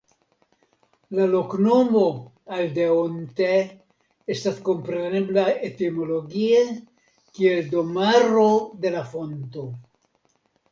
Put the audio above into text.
La loknomo "Aldeonte" estas komprenebla etimologie kiel Domaro de la Fonto.